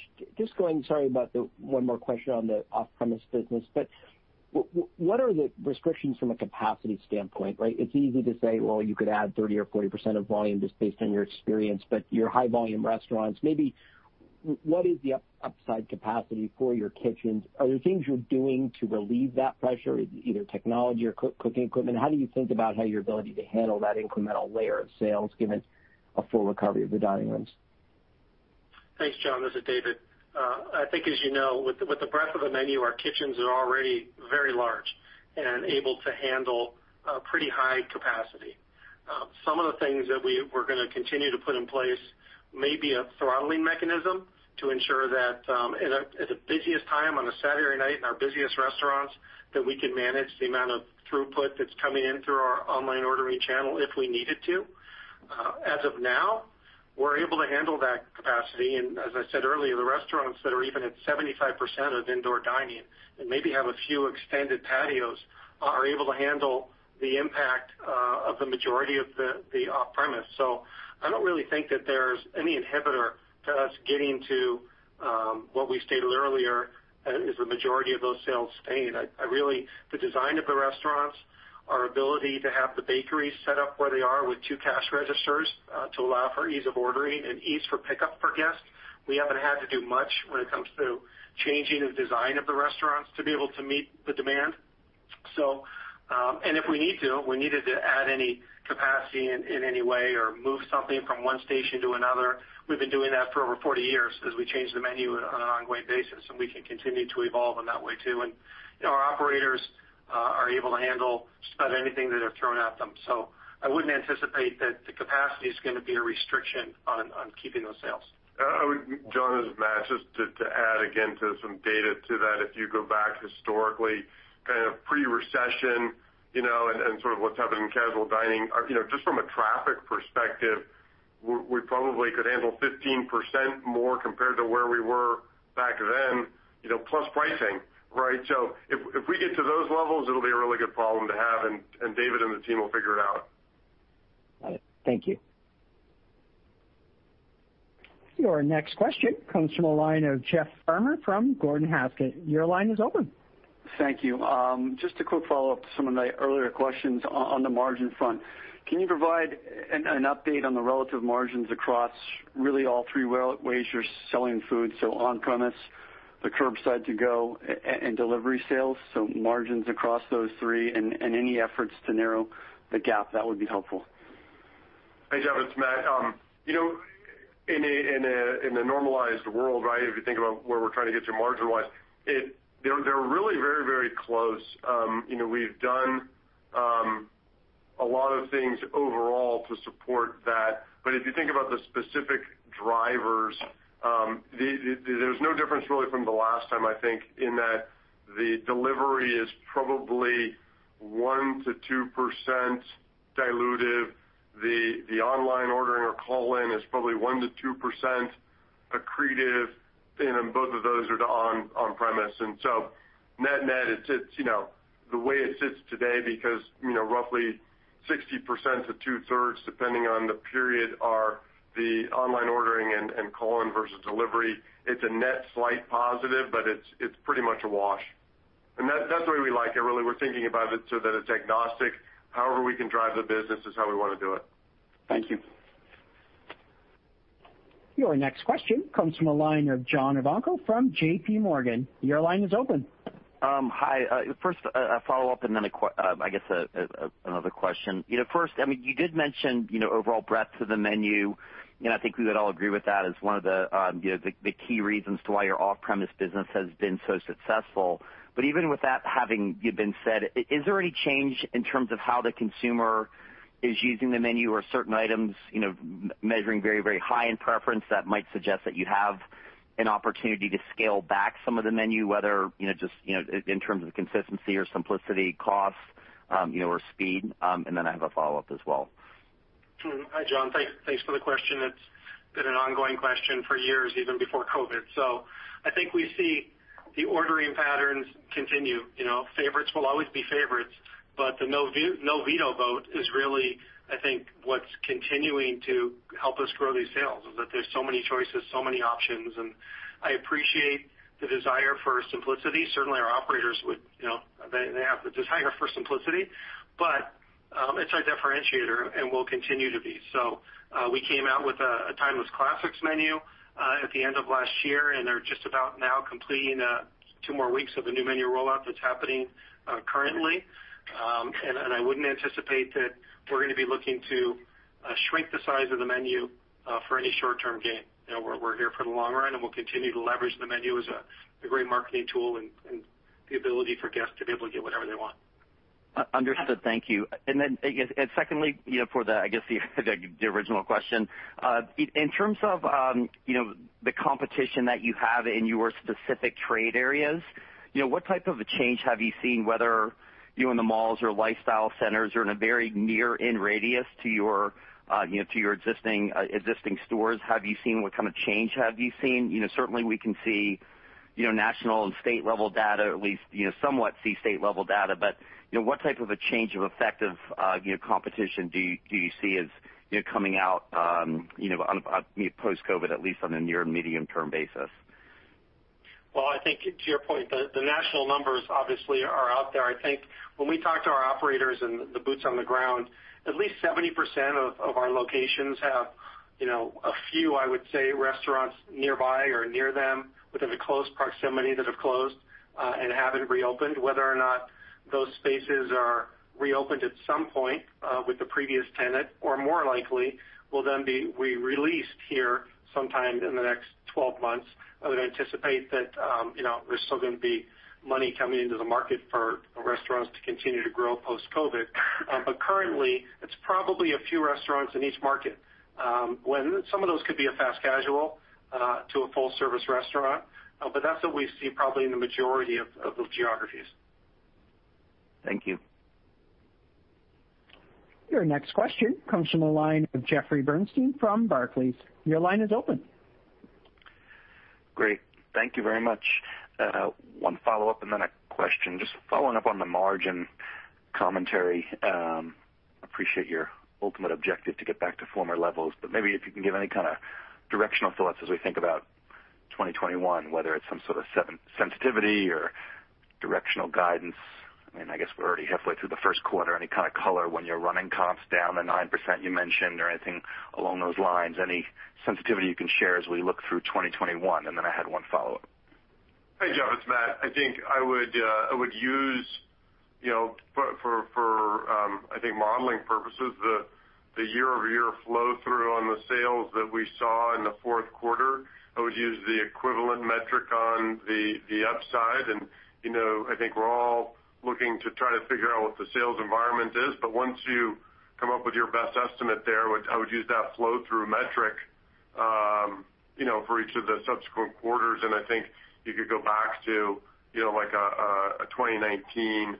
Sorry about the one more question on the off-premise business. What are the restrictions from a capacity standpoint, right? It's easy to say, well, you could add 30% or 40% of volume just based on your experience. Your high volume restaurants, maybe what is the upside capacity for your kitchens? Are there things you're doing to relieve that pressure, either technology or cooking equipment? How do you think about how your ability to handle that incremental layer of sales given a full recovery of the dining rooms? Thanks, John. This is David. I think as you know, with the breadth of the menu, our kitchens are already very large and able to handle a pretty high capacity. Some of the things that we're going to continue to put in place may be a throttling mechanism to ensure that at the busiest time on a Saturday night in our busiest restaurants, that we can manage the amount of throughput that's coming in through our online ordering channel if we needed to. As of now, we're able to handle that capacity, and as I said earlier, the restaurants that are even at 75% of indoor dining and maybe have a few extended patios, are able to handle the impact of the majority of the off-premise. I don't really think that there's any inhibitor to us getting to what we stated earlier as the majority of those sales staying. The design of the restaurants, our ability to have the bakeries set up where they are with two cash registers to allow for ease of ordering and ease for pickup for guests. We haven't had to do much when it comes to changing the design of the restaurants to be able to meet the demand. If we need to, we needed to add any capacity in any way or move something from one station to another, we've been doing that for over 40 years as we change the menu on an ongoing basis, and we can continue to evolve in that way too. Our operators are able to handle just about anything that are thrown at them. I wouldn't anticipate that the capacity is going to be a restriction on keeping those sales. John, this is Matt, just to add again to some data to that. If you go back historically, kind of pre-recession, and sort of what's happened in casual dining, just from a traffic perspective, we probably could handle 15% more compared to where we were back then, plus pricing. Right? If we get to those levels, it'll be a really good problem to have, and David and the team will figure it out. Got it. Thank you. Your next question comes from the line of Jeff Farmer from Gordon Haskett. Your line is open. Thank you. Just a quick follow-up to some of the earlier questions on the margin front. Can you provide an update on the relative margins across really all three ways you're selling food, so on-premise, the curbside to go, and delivery sales, so margins across those three and any efforts to narrow the gap, that would be helpful. Hey, Jeff, it's Matt. In a normalized world, right, if you think about where we're trying to get to margin wise, they're really very, very close. We've done a lot of things overall to support that. If you think about the specific drivers, there's no difference really from the last time, I think, in that the delivery is probably 1%-2% dilutive. The online ordering or call-in is probably 1%-2% accretive, and both of those are to on-premise. Net-net, the way it sits today because roughly 60% to 2/3, depending on the period, are the online ordering and call-in versus delivery. It's a net slight positive, but it's pretty much a wash. That's the way we like it, really. We're thinking about it so that it's agnostic. We can drive the business is how we want to do it. Thank you. Your next question comes from the line of John Ivankoe from JPMorgan. Your line is open. Hi. First, a follow-up, and then, I guess, another question. First, you did mention overall breadth of the menu. I think we would all agree with that as one of the key reasons to why your off-premise business has been so successful. Even with that having been said, is there any change in terms of how the consumer is using the menu or certain items measuring very high in preference that might suggest that you have an opportunity to scale back some of the menu, whether just in terms of consistency or simplicity, cost or speed? Then I have a follow-up as well. Hi, John. Thanks for the question. It's been an ongoing question for years, even before COVID-19. I think we see the ordering patterns continue. Favorites will always be favorites, the no veto vote is really, I think, what's continuing to help us grow these sales, is that there's so many choices, so many options, and I appreciate the desire for simplicity. Certainly, our operators would have the desire for simplicity. It's our differentiator, and will continue to be. We came out with a Timeless Classics menu at the end of last year, and they're just about now completing two more weeks of the new menu rollout that's happening currently. I wouldn't anticipate that we're going to be looking to shrink the size of the menu for any short-term gain. We're here for the long run, and we'll continue to leverage the menu as a great marketing tool and the ability for guests to be able to get whatever they want. Understood. Thank you. Secondly, I guess the original question. In terms of the competition that you have in your specific trade areas, what type of a change have you seen, whether in the malls or lifestyle centers or in a very near-in radius to your existing stores, what kind of change have you seen? Certainly, we can see national and state-level data, at least somewhat see state-level data. What type of a change of effect of competition do you see as coming out, post-COVID, at least on a near and medium-term basis? Well, I think to your point, the national numbers obviously are out there. I think when we talk to our operators and the boots on the ground, at least 70% of our locations have a few, I would say, restaurants nearby or near them within a close proximity that have closed and haven't reopened. Whether or not those spaces are reopened at some point with the previous tenant or more likely will then be re-leased here sometime in the next 12 months, I would anticipate that there's still going to be money coming into the market for restaurants to continue to grow post-COVID. Currently, it's probably a few restaurants in each market. Some of those could be a fast casual to a full-service restaurant. That's what we see probably in the majority of those geographies. Thank you. Your next question comes from the line of Jeffrey Bernstein from Barclays. Your line is open. Great. Thank you very much. One follow-up and then a question. Just following up on the margin commentary. Appreciate your ultimate objective to get back to former levels, but maybe if you can give any kind of directional thoughts as we think about 2021, whether it's some sort of sensitivity or directional guidance. I guess we're already halfway through the first quarter. Any kind of color when you're running comps down the 9% you mentioned or anything along those lines, any sensitivity you can share as we look through 2021? I had one follow-up. Hey, Jeff, it's Matt. I think I would use, for, I think, modeling purposes, the year-over-year flow-through on the sales that we saw in the fourth quarter. I would use the equivalent metric on the upside. I think we're all looking to try to figure out what the sales environment is. Once you come up with your best estimate there, I would use that flow-through metric for each of the subsequent quarters. I think you could go back to a 2019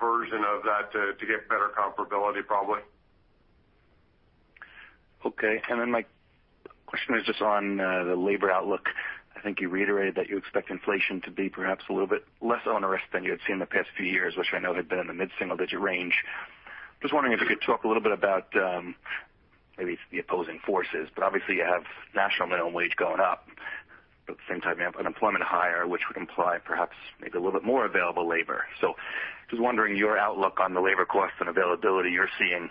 version of that to get better comparability, probably. Okay. My question is just on the labor outlook. I think you reiterated that you expect inflation to be perhaps a little bit less onerous than you had seen in the past few years, which I know had been in the mid-single digit range. Just wondering if you could talk a little bit about maybe the opposing forces. Obviously, you have national minimum wage going up, but at the same time, you have unemployment higher, which would imply perhaps maybe a little bit more available labor. Just wondering your outlook on the labor cost and availability you're seeing,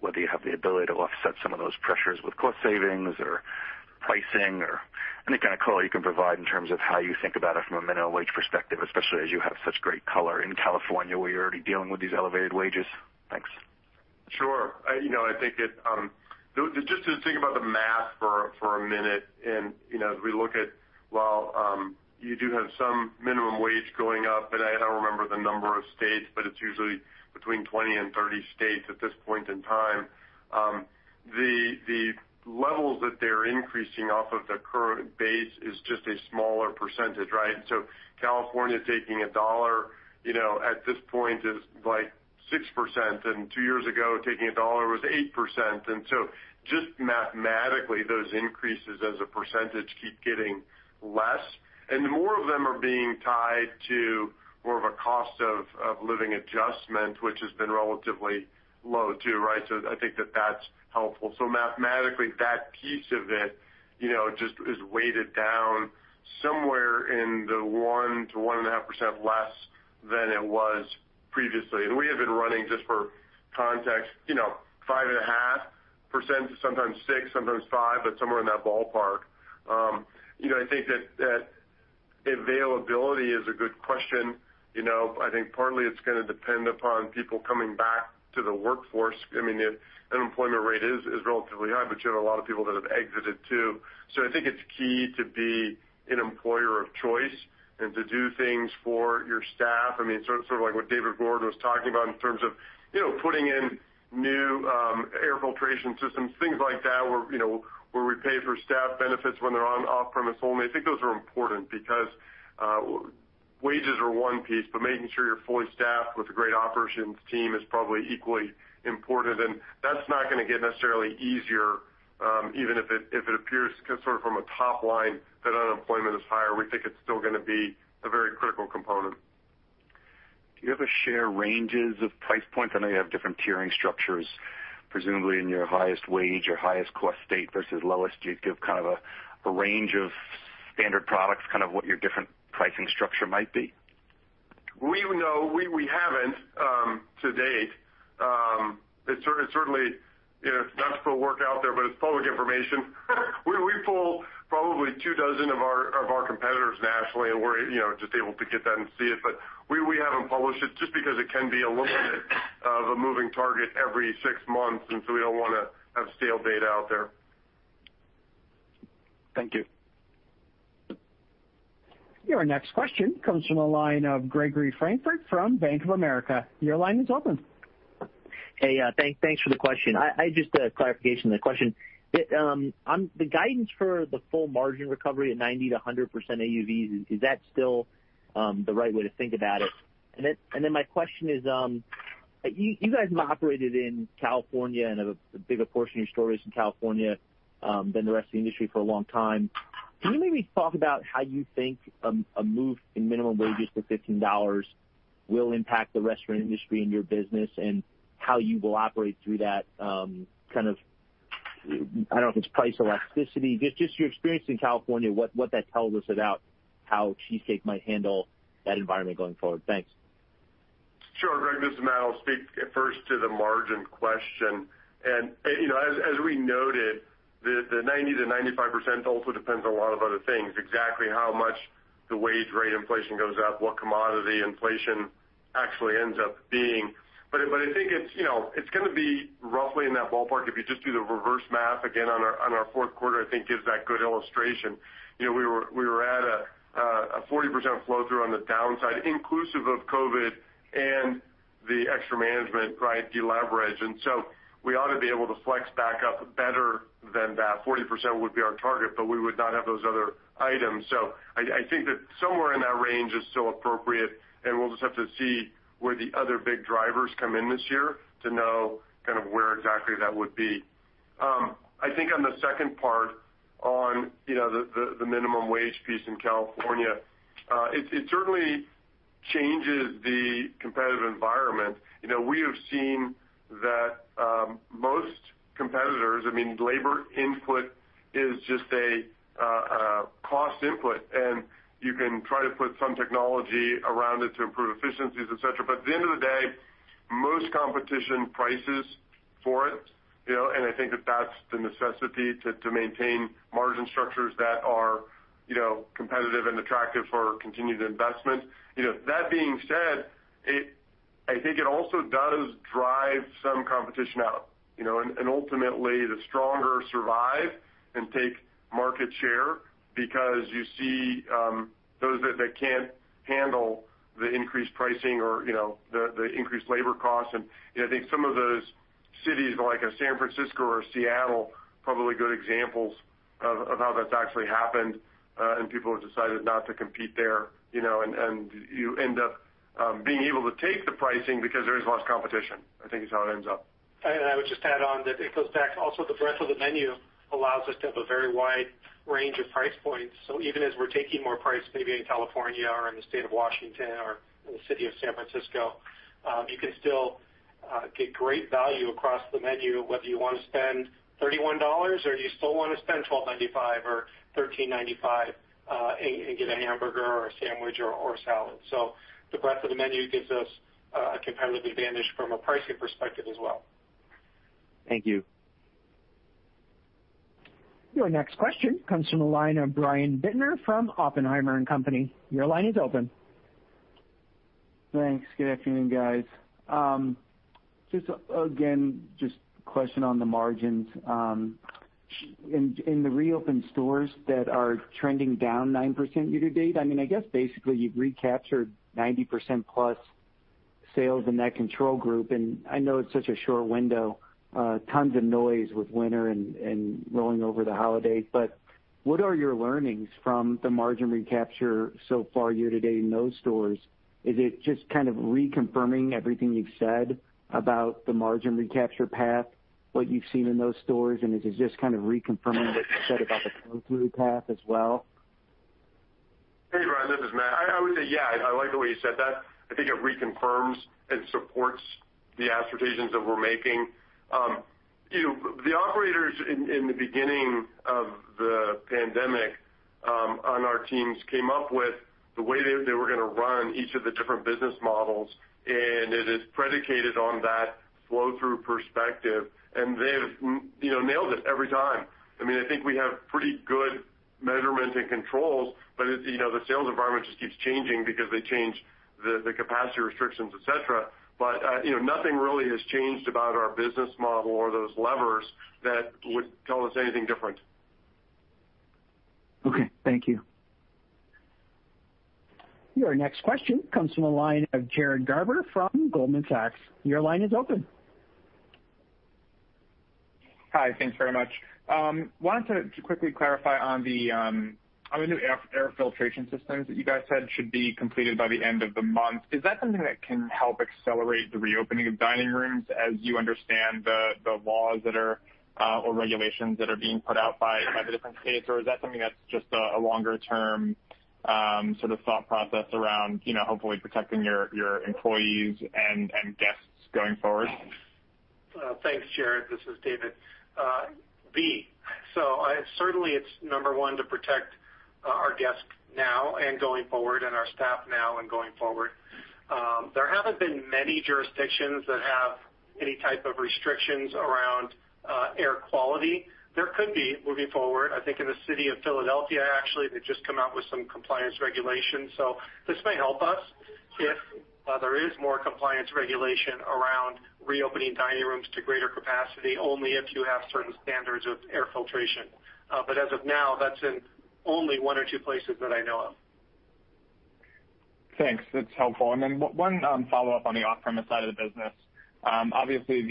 whether you have the ability to offset some of those pressures with cost savings or pricing or any kind of color you can provide in terms of how you think about it from a minimum wage perspective, especially as you have such great color in California, where you're already dealing with these elevated wages. Thanks. Sure. Just to think about the math for a minute, and as we look at while you do have some minimum wage going up, and I don't remember the number of states, but it's usually between 20 and 30 states at this point in time. The levels that they're increasing off of the current base is just a smaller percent, right? California taking a dollar at this point is 6%, and two years ago, taking a dollar was 8%. Just mathematically, those increases as a percentage keep getting less, and more of them are being tied to more of a cost of living adjustment, which has been relatively low too, right? I think that that's helpful. Mathematically, that piece of it just is weighted down somewhere in the 1%-1.5% less than it was previously. We have been running, just for context, 5.5% to sometimes 6%, sometimes 5%, but somewhere in that ballpark. I think that availability is a good question. I think partly it's going to depend upon people coming back to the workforce. The unemployment rate is relatively high, but you have a lot of people that have exited, too. I think it's key to be an employer of choice and to do things for your staff. Sort of like what David Gordon was talking about in terms of putting in new air filtration systems, things like that, where we pay for staff benefits when they're on off-premise only. I think those are important because wages are one piece, but making sure you're fully staffed with a great operations team is probably equally important, and that's not going to get necessarily easier. Even if it appears sort of from a top line that unemployment is higher, we think it's still going to be a very critical component. Do you ever share ranges of price points? I know you have different tiering structures, presumably in your highest wage or highest cost state versus lowest. Do you give kind of a range of standard products, kind of what your different pricing structure might be? We haven't to date. It's not still worked out there, but it's public information. We pull probably two dozen of our competitors nationally, and we're just able to get that and see it, but we haven't published it just because it can be a little bit of a moving target every six months, and so we don't want to have stale data out there. Thank you. Your next question comes from the line of Gregory Francfort from Bank of America. Your line is open. Hey, thanks for the question. Clarification on the question. On the guidance for the full margin recovery at 90%-100% AUV, is that still the right way to think about it? My question is, you guys have operated in California and have a bigger portion of your stores in California than the rest of the industry for a long time. Can you maybe talk about how you think a move in minimum wages to $15 will impact the restaurant industry and your business, and how you will operate through that kind of, I don't know if it's price elasticity, just your experience in California, what that tells us about how Cheesecake might handle that environment going forward? Thanks. Sure, Greg, this is Matt. I'll speak first to the margin question. As we noted, the 90% to 95% also depends on a lot of other things. Exactly how much the wage rate inflation goes up, what commodity inflation actually ends up being. I think it's going to be roughly in that ballpark. If you just do the reverse math again on our fourth quarter, I think gives that good illustration. We were at a 40% flow-through on the downside, inclusive of COVID-19 and the extra management, Brian, de-leveraged. We ought to be able to flex back up better than that. 40% would be our target, we would not have those other items. I think that somewhere in that range is still appropriate, and we'll just have to see where the other big drivers come in this year to know kind of where exactly that would be. I think on the second part on the minimum wage piece in California, it certainly changes the competitive environment. We have seen that most competitors, labor input is just a cost input, and you can try to put some technology around it to improve efficiencies, et cetera. At the end of the day, most competition prices for it, and I think that that's the necessity to maintain margin structures that are competitive and attractive for continued investment. That being said, I think it also does drive some competition out, and ultimately, the stronger survive and take market share because you see those that can't handle the increased pricing or the increased labor costs. I think some of those cities like San Francisco or Seattle, probably good examples of how that's actually happened, and people have decided not to compete there. You end up being able to take the pricing because there is less competition, I think is how it ends up. I would just add on that it goes back, also the breadth of the menu allows us to have a very wide range of price points. Even as we're taking more price maybe in California or in the state of Washington or in the city of San Francisco, you can still get great value across the menu, whether you want to spend $31 or you still want to spend $12.95 or $13.95, and get a hamburger or a sandwich or a salad. The breadth of the menu gives us a competitive advantage from a pricing perspective as well. Thank you. Your next question comes from the line of Brian Bittner from Oppenheimer & Co. Your line is open. Thanks. Good afternoon, guys. Again, just a question on the margins. In the reopened stores that are trending down 9% year to date, I guess basically you've recaptured 90%+ sales in that control group. I know it's such a short window, tons of noise with winter and rolling over the holidays, what are your learnings from the margin recapture so far year to date in those stores? Is it just kind of reconfirming everything you've said about the margin recapture path, what you've seen in those stores? Is it just kind of reconfirming what you said about the flow-through path as well? This is Matt. I would say yeah, I like the way you said that. I think it reconfirms and supports the assertions that we're making. The operators in the beginning of the pandemic on our teams came up with the way they were going to run each of the different business models. It is predicated on that flow through perspective. They've nailed it every time. I think we have pretty good measurement and controls. The sales environment just keeps changing because they change the capacity restrictions, et cetera. Nothing really has changed about our business model or those levers that would tell us anything different. Okay. Thank you. Your next question comes from the line of Jared Garber from Goldman Sachs. Your line is open. Hi. Thanks very much. Wanted to quickly clarify on the new air filtration systems that you guys said should be completed by the end of the month. Is that something that can help accelerate the reopening of dining rooms as you understand the laws or regulations that are being put out by the different states, or is that something that's just a longer term thought process around hopefully protecting your employees and guests going forward? Thanks, Jared. This is David G. Certainly it's number one to protect our guests now and going forward, and our staff now and going forward. There haven't been many jurisdictions that have any type of restrictions around air quality. There could be moving forward. I think in the city of Philadelphia, actually, they've just come out with some compliance regulations. This may help us if there is more compliance regulation around reopening dining rooms to greater capacity, only if you have certain standards of air filtration. As of now, that's in only one or two places that I know of. Thanks. That's helpful. Then one follow-up on the off-premise side of the business. Obviously,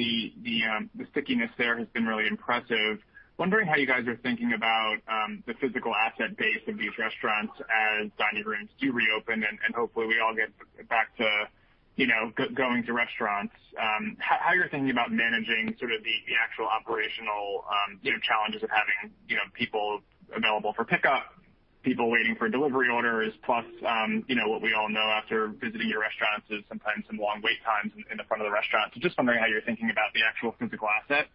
the stickiness there has been really impressive. Wondering how you guys are thinking about the physical asset base of these restaurants as dining rooms do reopen, and hopefully we all get back to going to restaurants. How you're thinking about managing the actual operational challenges of having people available for pickup, people waiting for delivery orders, plus what we all know after visiting your restaurants is sometimes some long wait times in the front of the restaurant. Just wondering how you're thinking about the actual physical asset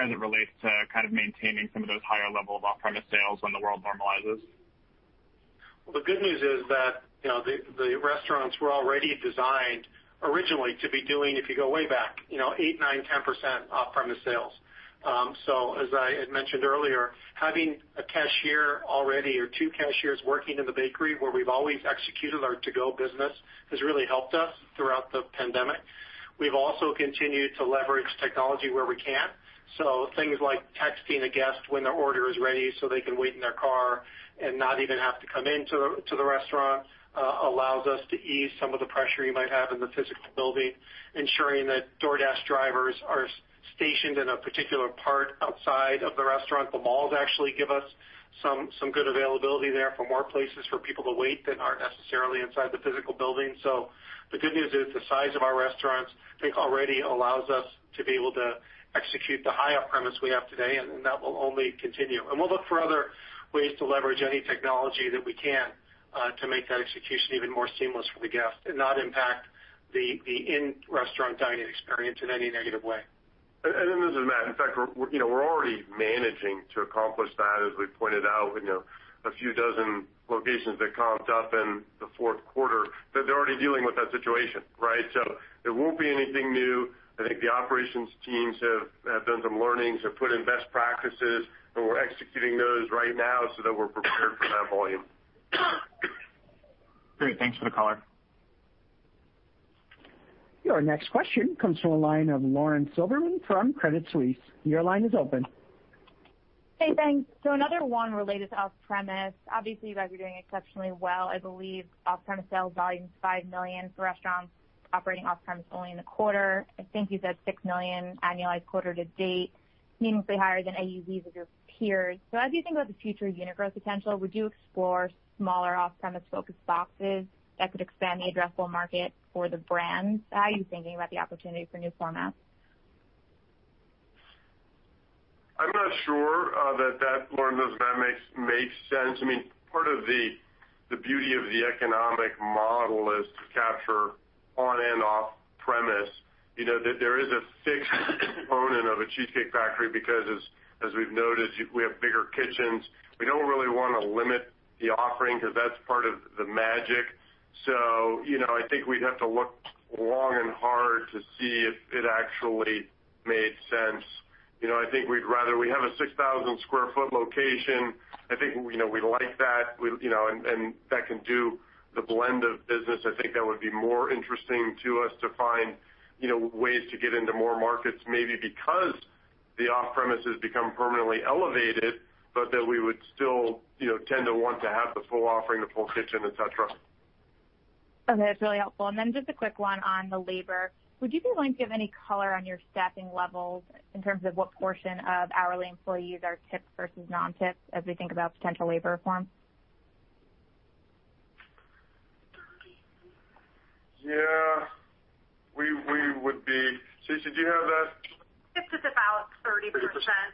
as it relates to maintaining some of those higher level of off-premise sales when the world normalizes. Well, the good news is that the restaurants were already designed originally to be doing, if you go way back, 8%, 9%, 10% off-premise sales. As I had mentioned earlier, having a cashier already or two cashiers working in the bakery where we've always executed our to-go business has really helped us throughout the pandemic. We've also continued to leverage technology where we can. Things like texting a guest when their order is ready so they can wait in their car and not even have to come into the restaurant allows us to ease some of the pressure you might have in the physical building. Ensuring that DoorDash drivers are stationed in a particular part outside of the restaurant. The malls actually give us some good availability there for more places for people to wait that aren't necessarily inside the physical building. The good news is the size of our restaurants, I think already allows us to be able to execute the high off-premise we have today, and that will only continue. We'll look for other ways to leverage any technology that we can to make that execution even more seamless for the guest and not impact the in-restaurant dining experience in any negative way. This is Matt. In fact, we're already managing to accomplish that, as we pointed out, a few dozen locations that comped up in the fourth quarter, that they're already dealing with that situation. Right? It won't be anything new. I think the operations teams have done some learnings, have put in best practices, and we're executing those right now so that we're prepared for that volume. Great. Thanks for the color. Your next question comes from the line of Lauren Silberman from Credit Suisse. Your line is open. Hey, thanks. Another one related to off-premise. Obviously, you guys are doing exceptionally well. I believe off-premise sales volume is $5 million for restaurants operating off-premise only in the quarter. I think you said $6 million annualized quarter to date, meaningfully higher than AUVs of your peers. As you think about the future unit growth potential, would you explore smaller off-premise focused boxes that could expand the addressable market for the brands? How are you thinking about the opportunity for new formats? I'm not sure, Lauren, that that makes sense. Part of the beauty of the economic model is to capture on and off premise. There is a fixed component of a Cheesecake Factory because as we've noted, we have bigger kitchens. We don't really want to limit the offering because that's part of the magic. I think we'd have to look long and hard to see if it actually made sense. I think we'd rather we have a 6,000 sq ft location. I think we like that, and that can do the blend of business. I think that would be more interesting to us to find ways to get into more markets, maybe because the off-premise has become permanently elevated, but that we would still tend to want to have the full offering, the full kitchen, et cetera. Okay, that's really helpful. Then just a quick one on the labor. Would you be willing to give any color on your staffing levels in terms of what portion of hourly employees are tipped versus non-tipped as we think about potential labor reform? Yeah. Stacy, do you have that? It's about 30%,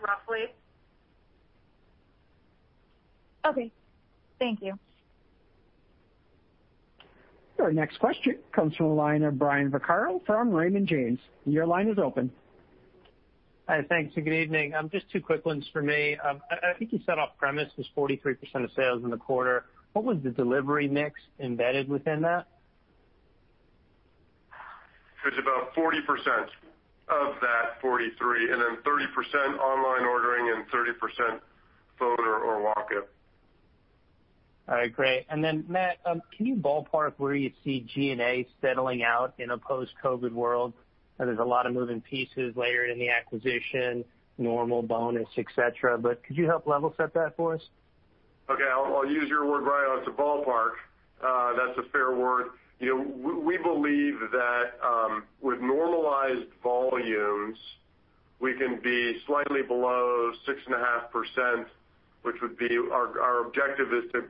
roughly. Okay. Thank you. Your next question comes from the line of Brian Vaccaro from Raymond James. Your line is open. Hi. Thanks, good evening. Just two quick ones for me. I think you said off-premise was 43% of sales in the quarter. What was the delivery mix embedded within that? It was about 40% of that 43, and then 30% online ordering and 30% phone or walk-in. All right, great. Matt, can you ballpark where you see G&A settling out in a post-COVID world? I know there's a lot of moving pieces layered in the acquisition, normal bonus, et cetera, could you help level set that for us? Okay. I'll use your word, Brian. It's a ballpark. That's a fair word. We believe that with normalized volumes, we can be slightly below 6.5%, which would be our objective is to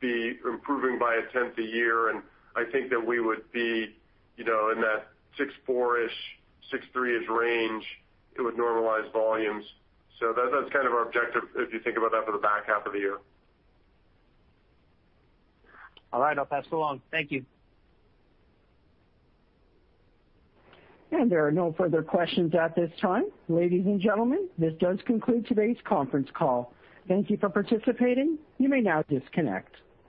be improving by a tenth a year. I think that we would be in that 6.4-ish, 6.3-ish range. It would normalize volumes. That's kind of our objective, if you think about that for the back half of the year. All right. I'll pass it along. Thank you. There are no further questions at this time. Ladies and gentlemen, this does conclude today's conference call. Thank you for participating. You may now disconnect.